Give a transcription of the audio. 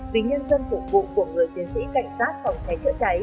vì nhân dân phục vụ của người chiến sĩ cảnh sát phòng cháy chữa cháy